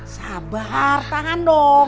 sabar tahan dong